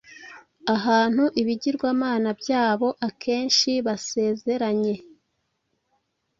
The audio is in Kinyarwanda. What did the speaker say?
Ahantu ibigirwamana byabo akenshi basezeranye